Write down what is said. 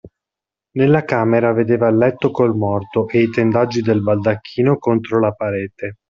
Nella camera vedeva il letto col morto e i tendaggi del baldacchino contro la parete.